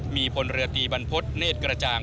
มีพลเรือตีบรรพฤษเนธกระจ่าง